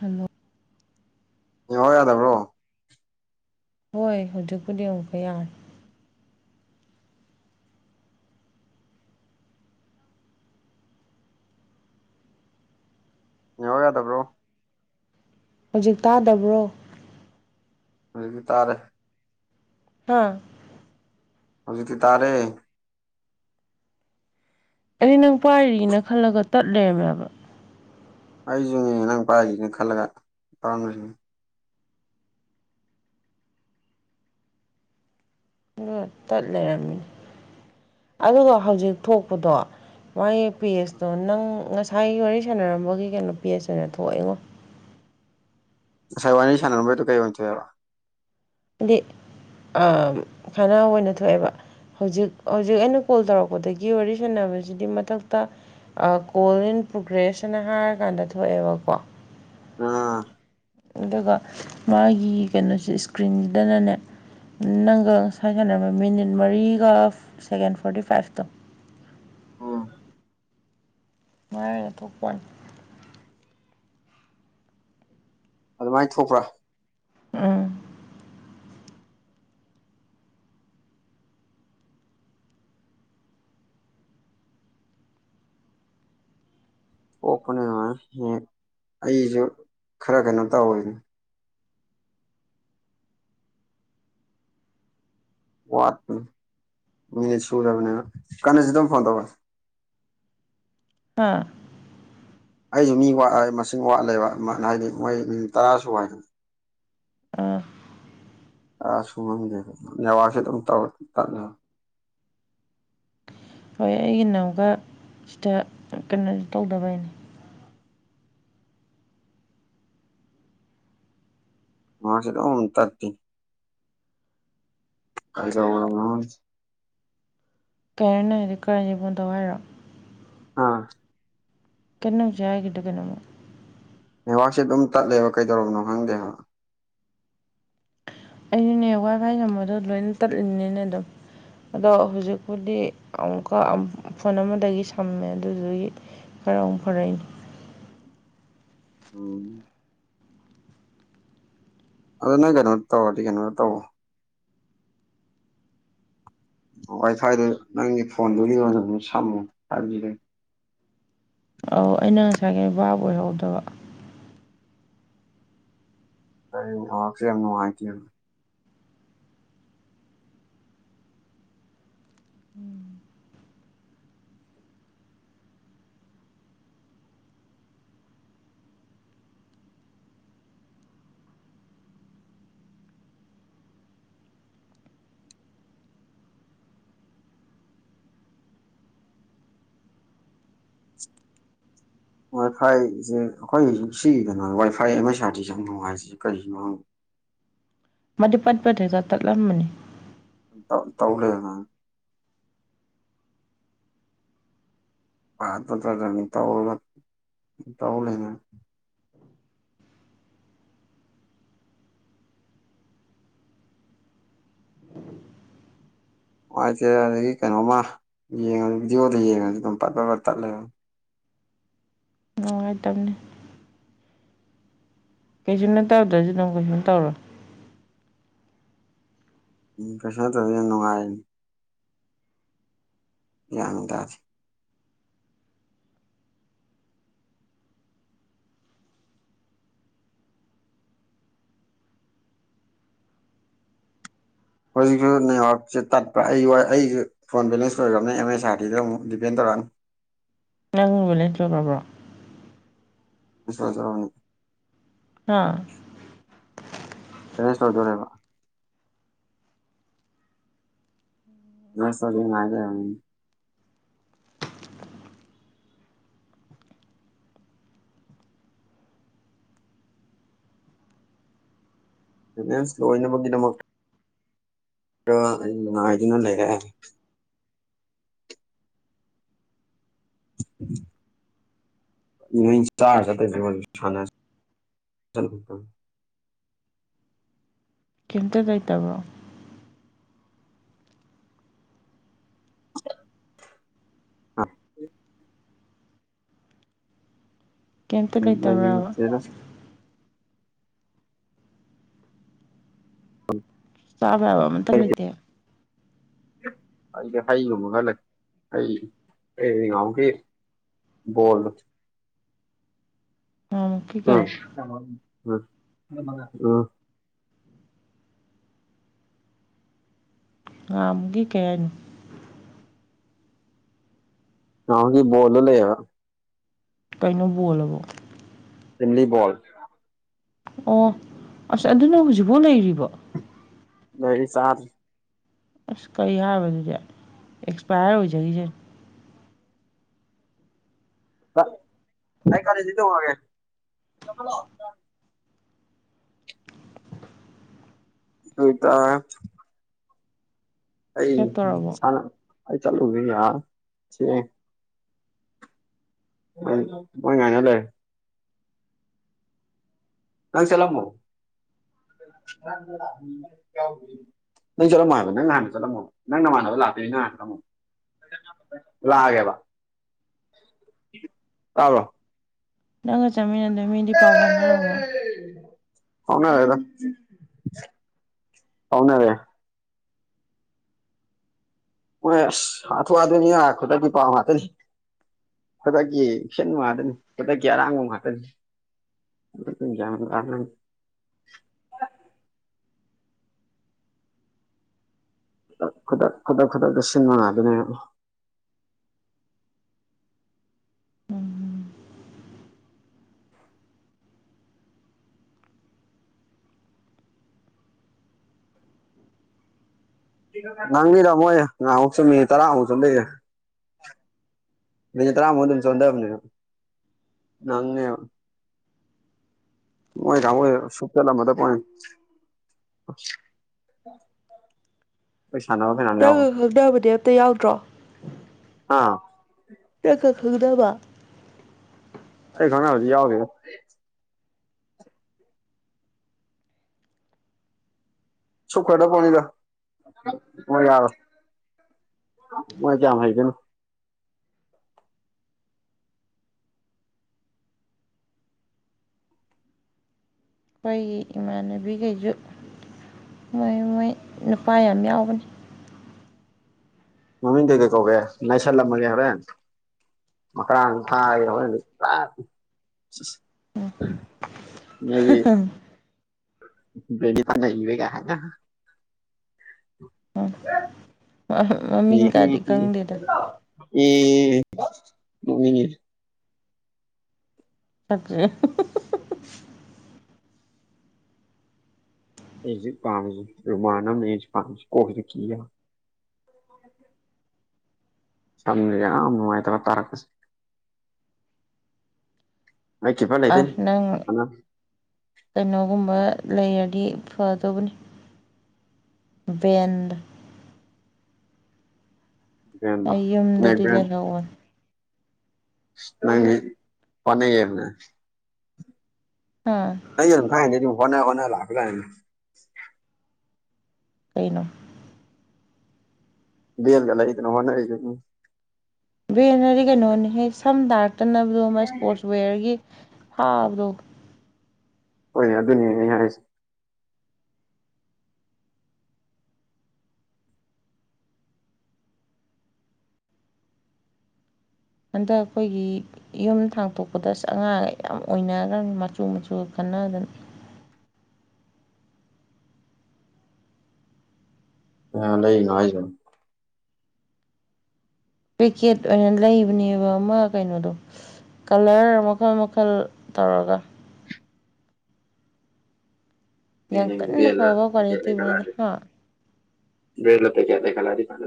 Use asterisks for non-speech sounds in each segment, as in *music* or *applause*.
Hello network ꯌꯥꯗꯕ꯭ꯔꯣ ꯍꯣꯏ ꯍꯧꯖꯤꯛꯄꯨꯗꯤ ꯑꯃꯨꯛꯀ ꯌꯥꯔꯦ ꯅꯦꯋꯥꯛ ꯌꯥꯗꯕ꯭ꯔꯣ ꯍꯧꯖꯤꯛ ꯇꯥꯗꯕ꯭ꯔꯣ ꯍꯧꯖꯤꯛꯇꯤ ꯇꯥꯔꯦ ꯍꯥꯥ ꯍꯧꯖꯤꯛꯇꯤ ꯇꯥꯔꯦ ꯑꯩꯗꯤ ꯅꯪ ꯄꯥꯏꯔꯤꯅ ꯈꯜꯂꯒ ꯇꯠ ꯂꯦꯃꯦꯕ ꯑꯩꯁꯨꯅꯦ ꯅꯪ ꯄꯥꯏꯔꯤꯅ ꯈꯜꯂꯒ ꯄꯥꯝ *unintelligible* ꯇꯠ ꯂꯩꯔꯝꯃꯤ ꯑꯗꯨꯒ ꯍꯧꯖꯤꯛ ꯊꯣꯛꯄꯗꯣ ꯃꯥꯒꯤ ꯄꯦꯖꯇꯣ ꯅꯪ ꯉꯁꯥꯏꯒꯤ ꯋꯥꯔꯤ ꯁꯥꯟꯅꯔꯝꯕꯒꯤ ꯀꯩꯅꯣ ꯄꯦꯖ ꯑꯅ ꯊꯣꯛꯏꯉꯣ ꯉꯁꯥꯏ ꯋꯥꯔꯤ ꯁꯥꯟꯅꯔꯝꯕꯗꯨ ꯀꯩ ꯑꯣꯏꯟ ꯊꯣꯛꯑꯦꯕ ꯍꯥꯏꯗꯤ ꯑꯝ ꯈꯔ ꯑꯣꯏꯅ ꯊꯣꯛꯑꯦꯕ ꯍꯧꯖꯤꯛ ꯍꯧꯖꯤꯛ ꯑꯩꯅ ꯀꯣꯜ ꯇꯧꯔꯛꯄꯗꯒꯤ ꯋꯥꯔꯤ ꯁꯥꯟꯅꯕꯁꯤꯗꯤ ꯃꯊꯛꯇ ꯑ ꯀꯣꯜ ꯏꯟ ꯄ꯭ꯔꯣꯒ꯭ꯔꯦꯁ ꯑꯅ ꯍꯥꯏꯔꯀꯥꯟꯗ ꯊꯣꯛꯑꯦꯕꯀꯣ ꯑꯥ ꯑꯗꯨꯒ ꯃꯥꯒꯤ ꯀꯩꯅꯣꯁꯦ ꯏꯁꯀ꯭ꯔꯤꯟꯗꯅꯅꯦ ꯅꯪꯒ ꯉꯁꯥꯏ ꯁꯥꯟꯅꯔꯝꯕ ꯃꯤꯅꯤꯠ ꯃꯔꯤꯒ ꯁꯦꯀꯦꯟ ꯐꯣꯔꯇꯤ ꯐꯥꯏꯚꯇꯣ ꯑꯗꯨꯃꯥꯏ ꯑꯣꯏꯅ ꯊꯣꯛꯄ ꯋꯥꯅꯤ ꯑꯗꯨꯃꯥꯏꯅ ꯊꯣꯛꯄ꯭ꯔꯥ ꯎꯝ ꯄꯣꯛꯄꯅꯤ ꯑꯗꯨ ꯍ ꯑꯩꯁꯨ ꯈꯔ ꯀꯩꯅꯣ ꯇꯧꯋꯦꯅꯦ ꯋꯥꯠꯄꯅꯤ ꯃꯤꯅꯤꯠ ꯁꯨꯗꯕꯅꯤꯅ ꯀꯟꯅꯤꯁꯅ ꯑꯃꯨꯛ ꯐꯣꯟ ꯇꯧꯔꯦ ꯑꯥ ꯑꯩꯁꯨ ꯃꯤ ꯋꯥꯠ ꯃꯁꯤꯡ ꯋꯥꯠꯂꯦꯕ ꯍꯥꯏꯗꯤ ꯃꯣꯏ ꯅꯨꯃꯤꯠ ꯇꯔꯥꯁꯨ ꯋꯥꯏꯗꯅ ꯑꯥ ꯑ ꯁꯨꯝ *unintelligible* ꯅꯦꯋꯥꯛꯁꯦ ꯑꯗꯨꯝ ꯇꯧ ꯇꯠꯂꯦ ꯍꯣꯏ ꯑꯩꯒꯤ ꯅꯝꯒ ꯁꯤꯗ ꯀꯩꯅꯣ ꯇꯧꯗꯕꯩꯅꯤ ꯃꯥꯁꯤꯗꯨꯝ ꯇꯠꯄꯤꯅꯦ *unintelligible* ꯀꯦꯔꯟ ꯍꯥꯏꯗꯤ ꯀꯔꯅꯤꯐꯣꯟ ꯇꯧ ꯍꯥꯏꯔꯣ ꯑꯥ ꯀꯩꯅꯣ ꯍꯧꯖꯤꯛ ꯍꯥꯏꯈꯤꯗꯣ ꯀꯩꯅꯣꯃ ꯅꯦꯋꯥꯛꯁꯦ ꯑꯗꯨꯝ ꯇꯠꯂꯦꯕ ꯀꯩꯗꯧꯔꯕꯅꯣ ꯈꯪꯗꯦꯕ ꯑꯩꯅꯅꯦ ꯋꯥꯏ ꯐꯥꯏ ꯅꯝꯕꯔꯗꯣ ꯂꯣꯏꯅ ꯇꯠꯂꯤꯅꯤꯅꯦ ꯑꯗꯣ ꯑꯗꯣ ꯍꯧꯖꯤꯛꯄꯨꯗꯤ ꯑꯃꯨꯛꯀ ꯑꯝ ꯐꯣꯟ ꯑꯃꯗꯒꯤ ꯁꯝꯃꯦ ꯑꯗꯨꯗꯨꯒꯤ ꯈꯔꯥ ꯑꯝ ꯐꯔꯩꯅꯤ ꯎꯝ ꯑꯗꯨ ꯅꯪ ꯀꯩꯅꯣ ꯇꯧꯔꯗꯤ ꯀꯩꯅꯣ ꯇꯧ ꯋꯥꯏ ꯐꯥꯏꯗꯨ ꯅꯪꯒꯤ ꯐꯣꯟꯗꯨꯒꯤ ꯑꯣꯏꯅ ꯁꯨꯝ ꯁꯝꯃꯨ ꯍꯥꯏꯕꯤꯔꯦ ꯑꯧ ꯑꯩꯅ ꯉꯁꯥꯏꯒꯩ ꯕꯥꯕ ꯑꯣꯏꯍꯧꯗꯕ ꯑꯩ ꯅꯦꯋꯥꯛꯁꯦ ꯌꯥꯝ ꯅꯨꯡꯉꯥꯏꯇꯦꯕ ꯎꯝ *unintelligible* ꯋꯥꯏ ꯐꯥꯏꯁꯦ ꯑꯩꯈꯣꯏ ꯁꯤ ꯀꯩꯅꯣ ꯋꯥꯏ ꯐꯥꯏ ꯑꯦꯝ ꯑꯦꯁ ꯑꯥꯔꯗꯤ ꯁꯦ ꯌꯥꯝ ꯅꯨꯡꯉꯥꯏꯖꯩ ꯀꯔꯤꯍꯤꯅꯣ ꯃꯥꯗꯤ ꯄꯠꯄꯗ ꯍꯦꯛꯇ ꯇꯠꯂꯝꯃꯅꯤ ꯇꯧ ꯇꯧ ꯂꯦꯝꯅꯦ ꯍꯝ ꯄꯥꯇ ꯇ ꯃꯤ *unintelligible* ꯅꯨꯡꯉꯥꯏꯇꯦ ꯑꯗꯒꯤ ꯀꯩꯅꯣꯃ ꯌꯦꯡꯉ ꯚꯤꯗꯤꯑꯣꯗ ꯌꯦꯡꯉꯁꯨ ꯑꯗꯨꯝ ꯄꯠ ꯄꯄꯠ ꯇꯠꯂꯦꯝ ꯅꯨꯡꯉꯥꯏꯇꯕꯅꯤ ꯀꯩꯁꯨꯨꯝ ꯅꯠꯇꯧꯗ꯭ꯔꯁꯨ ꯅꯪ ꯀꯩꯁꯨꯨꯝ ꯇꯧꯔꯣ ꯎꯝ ꯀꯩꯁꯥ ꯇꯗꯤ ꯌꯥꯝ ꯅꯨꯡꯉꯥꯏꯅꯦ꯫ ꯌꯥꯝꯅ ꯇꯥꯗꯦ꯫ ꯍꯧꯖꯤꯛꯁꯨ ꯅꯌꯣꯔꯁꯦ ꯇꯠꯄ꯭ꯔꯥ ꯑꯩ ꯋꯥ ꯑꯩꯁꯨ ꯐꯣꯟ ꯕꯦꯟꯁ ꯑꯣꯏꯈꯕꯅꯤ ꯑꯦꯝ ꯑꯦꯁꯥꯔꯗꯤꯗ ꯑꯃꯨꯛ ꯗꯤꯦꯟꯧꯛꯑꯅꯤ꯫ ꯅꯪ ꯕꯂꯦꯟ ꯑꯣꯏꯔꯕ꯭ꯔꯣ? *unintelligible* ꯍꯨꯝ *unintelligible* *unintelligible* ꯕꯥꯂꯦꯁ ꯂꯣꯏꯕꯒꯤꯗꯃꯛ ꯑꯅ ꯂꯩꯔꯦ꯫ *inaudible* *unintelligible* ꯀꯩꯝꯇ ꯂꯩꯇꯕ꯭ꯔꯣ? *inaudible* ꯀꯩꯝ ꯂꯩꯇꯕ꯭ꯔꯕ *inaudible* ꯄꯕ ꯌꯥꯕ ꯑꯝꯇꯥ ꯂꯩꯇꯦ꯫ ꯑꯩꯗꯤ ꯍꯩꯒꯨꯝꯕꯒ ꯂꯩ ꯍꯩ ꯑꯩ ꯉꯥꯎꯈꯤ꯫ ꯕꯣꯜꯗꯣ ꯉꯥꯃꯨꯛꯀꯤ ꯀꯩ ꯎ ꯎ ꯎꯝ ꯉꯝꯒꯤ ꯀꯩ ꯍꯥꯏꯅꯣ ꯀꯥꯎꯒꯤ ꯕꯣꯂꯗꯣ ꯂꯩ ꯍꯥꯏꯕ ꯀꯩꯅꯣ ꯕꯣꯜꯍꯨꯕꯣ ꯐꯝꯂꯤꯕꯣꯜ ꯑꯣ ꯑꯁ ꯑꯗꯨꯅ ꯍꯧꯖꯤꯛꯐꯥꯎ ꯂꯩꯔꯤꯕꯣ ꯂꯩ ꯆꯔ ꯑꯁ ꯀꯔꯤ ꯍꯥꯏꯕꯗꯨꯗꯤ ꯑꯦꯛꯁꯄꯥꯌꯔ ꯑꯣꯏꯖꯒꯤꯁꯦꯅ ꯑꯩ ꯒꯥꯔꯤ ꯁꯦ ꯇꯣꯡꯂꯛ ꯑꯒꯦ꯫ *unintelligible* ꯑꯩ ꯆꯠꯇꯣꯔꯕꯣ ꯑꯩ ꯆꯠꯂꯨꯒꯦ ꯌꯥꯦ꯫ ꯋꯥꯏ ꯉꯥꯏꯔꯂꯩ꯫ ꯅꯪ ꯆꯇꯂꯝꯃꯣ ꯅ ꯆꯂꯝꯃ ꯍꯥꯏꯕ ꯅꯪ ꯍꯥꯟꯅ ꯆꯠꯂꯝꯃꯣ ꯅꯪ ꯅꯃꯥꯟꯅꯕ ꯂꯥꯛꯣꯏꯅꯤ ꯅꯪꯥꯟꯅ ꯆꯂꯝꯃꯣ ꯂꯥꯛꯒꯦꯕ ꯇꯥꯕꯔꯣ ꯅꯪꯒ ꯆꯥꯃꯤꯟꯅꯗꯣꯏ ꯃꯤꯗꯤ ꯄꯥꯎ ꯐꯥꯎꯅꯔꯕꯣ ꯐꯥꯎꯅꯔꯦꯗ ꯐꯥꯎꯅꯔꯦ꯫ ꯍꯣꯏ ꯑꯁ ꯍꯥꯊꯨ ꯍꯥꯊꯣꯏꯅꯤ ꯈꯨꯗꯛꯀꯤ ꯄꯥꯎ ꯉꯥꯛꯇꯅꯤ꯫ ꯈꯨꯗꯛꯀꯤ ꯏꯟ ꯅꯨꯡ ꯉꯥꯛꯇꯅꯤ ꯈꯨꯗꯛꯀꯤ ꯑꯔꯥꯡꯕ ꯉꯥꯛꯇꯅꯤ꯫ *unintelligible* ꯈꯨꯗꯛ ꯈꯨꯗꯛ ꯈꯨꯗꯛ ꯈꯨꯗꯛꯇ ꯁꯤꯟꯕ ꯉꯥꯛꯇꯥꯅꯤ꯫ ꯅꯥꯡꯅꯤꯗꯃꯣꯣꯏꯁꯨ ꯃꯤ ꯇꯔꯥ ꯑ ꯆ ꯂꯩ꯫ ꯃꯤꯟꯠ ꯇꯔꯥ ꯃꯨꯛ ꯆꯣꯟꯊꯕꯥꯅꯤ ꯅꯥꯪꯅꯦꯕꯥ ꯃꯣꯏ ꯀꯪꯕꯨ ꯁꯨꯄꯆꯤꯜꯗꯦꯅꯤ꯫ ꯑꯈꯣꯏ ꯁꯥꯟ ꯇ ꯈꯪꯗꯕꯗꯤ ꯑꯦꯇ ꯌꯥꯎꯗ꯭ꯔꯣ ꯍꯨꯝ ꯆ ꯀꯛ ꯈꯪꯗꯕ ꯑꯩ ꯈꯅꯥ ꯍꯧꯖꯤ ꯌꯥꯎꯗꯤꯗ ꯁꯨꯛ ꯈꯣꯏꯗ ꯐꯅꯤꯗ ꯃꯣꯏ ꯌꯥꯔꯣꯏ ꯃꯣꯏ ꯀꯌꯥꯝ ꯍꯥꯏꯒꯦꯅ ꯑꯩꯈꯣꯏꯒꯤ ꯏꯃꯥꯟꯅꯕꯤꯈꯩꯁꯨ ꯃꯣꯏ ꯃꯣꯏ ꯅꯨꯄꯥ ꯌꯥꯝ ꯌꯥꯎꯕꯅꯤ ꯃꯃꯤꯡꯗꯤꯩ ꯀꯩ ꯀꯧꯒꯦ ꯂꯥꯏꯁꯜꯂꯝꯃꯒꯦ ꯍꯣꯔꯦꯟ ꯃꯀꯔꯥ ꯊꯥ ꯃꯥꯦ ꯄ ꯏꯕꯒ ꯍꯥꯏ ꯃꯃꯤꯡꯒꯗꯤ ꯎ ꯈꯪꯗꯦꯗ ꯎꯝ ꯎꯝ ꯆꯠꯦ ꯑꯣ ꯍ ꯑꯩꯁꯤꯦ ꯄꯥꯝꯃꯤꯁꯤꯦ ꯔꯨꯃꯥꯟ ꯑꯃ ꯑꯩꯁꯤꯦ ꯄꯥꯝꯃꯤꯁꯤ ꯀꯣꯛꯁꯤ ꯀꯤ ꯁꯝꯅꯤꯅꯨꯡꯉꯥꯏ ꯇꯔ ꯇꯔꯛꯀꯁꯤ ꯑꯩ ꯀꯤꯄꯔ ꯑ ꯂꯩꯗꯣꯏꯅꯤ ꯅꯪ ꯀꯩꯅꯣꯒꯨꯝꯕ ꯂꯩꯔꯗꯤ ꯐꯗꯧꯕꯅꯤ ꯕꯦꯟ ꯅꯪ ꯑꯩ ꯌꯨꯝꯗꯗꯤ ꯂꯩꯍꯧꯋꯅꯦ ꯅꯪ ꯄꯅꯦꯒꯦꯅꯦ ꯍꯥꯥ ꯑꯩ ꯑꯗꯨꯝ ꯊꯥꯏꯅꯗꯤ ꯑꯗꯨ ꯍꯣꯠꯅ ꯍꯣꯠꯅ ꯂꯥꯛꯄ ꯂꯅꯤꯅꯦ ꯀꯩꯅꯣ ꯦꯦꯜꯒꯂ ꯂꯩꯅ ꯍꯟꯅ ꯕꯦꯅꯗꯤ ꯀꯩꯅꯣꯅꯤ ꯍꯦꯛ ꯁꯝ ꯇꯥꯔꯛꯇꯅꯕꯗꯣ ꯃꯥ ꯏꯁꯄꯣꯔꯠꯁ ꯋꯦꯌꯔꯒꯤ ꯐꯥꯕꯗꯣ ꯍꯣꯏꯅꯦ ꯑꯗꯨꯅꯦ ꯑꯩ ꯍꯥꯏꯁꯦ ꯍꯟꯗꯛ ꯑꯩꯈꯣꯏꯒꯤ ꯌꯨꯝ ꯊꯥꯡꯇꯣꯛꯄꯗ ꯑꯉꯥꯡ ꯌꯥꯝ ꯑꯣꯏꯅꯈ꯭ꯔꯅꯤ ꯃꯆꯨ ꯃꯆꯨꯒ ꯈꯟꯅꯗꯅ ꯑ ꯂꯩꯅ ꯍꯥꯏꯖ ꯄꯤꯀꯦꯠ ꯑꯣꯏꯅ ꯂꯩꯕꯅꯦꯕ ꯑꯃ ꯀꯩꯅꯣꯗꯣ ꯀꯂꯔ ꯃꯈꯜ ꯃꯈꯜ ꯇꯧꯔꯒ ꯌꯥꯝ ꯀꯟꯅ ꯐꯕ ꯂ ꯂꯩ ꯀꯂ ꯀ꯭ꯋꯥꯂꯤꯇꯤꯗꯨꯅꯗꯤ ꯍꯥ ꯕꯦ ꯂ ꯄ ꯀꯦꯦ ꯈꯂꯗꯤ ꯐꯗ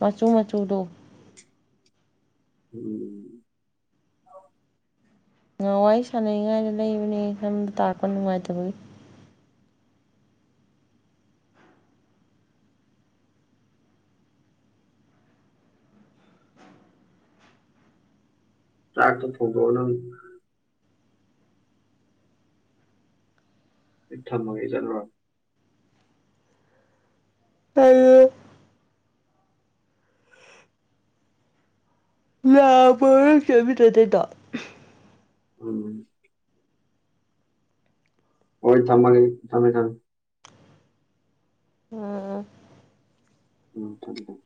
ꯃꯆꯨ ꯃꯆꯨꯗꯣ ꯎꯝ ꯉꯍ ꯋꯥꯔꯤ ꯁꯥꯟꯅꯉꯥꯏꯗ ꯂꯩꯕꯅꯦ ꯈꯟꯕ ꯇꯥꯛꯔꯄ ꯅꯨꯡꯉꯥꯏꯇꯕꯒꯤ ꯇꯥꯛꯇ ꯊꯒ ꯊꯝꯃꯒꯦ ꯆꯠꯂꯨꯔ ꯇꯦꯟ ꯂ ꯄꯔ ꯆꯦꯕꯤꯗ ꯇꯩꯗꯣ ꯎꯝ ꯍꯣꯏ ꯊꯝꯃꯒꯦ ꯊꯝꯃꯦ ꯊꯃꯦ ꯑꯥ ꯎꯝ ꯊꯝꯃꯦ ꯊꯝꯃꯦ